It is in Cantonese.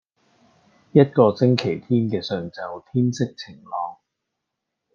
一個星期日嘅上晝天色晴朗